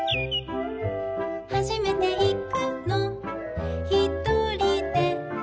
「はじめていくのひとりで」